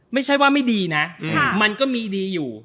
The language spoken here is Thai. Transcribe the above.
ไม่ใช่ว่าไม่ดีนะมันก็มีดีอยู่